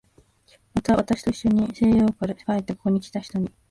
また、私といっしょに西洋から帰ってここへきた人に